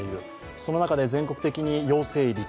その中で全体的に陽性率、